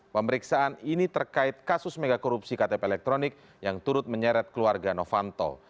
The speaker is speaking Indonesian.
pemeriksaan ini terkait kasus megakorupsi ktp elektronik yang turut menyeret keluarga novanto